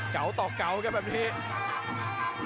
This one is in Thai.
เก๋วตอกเก๋วครับแบบนี้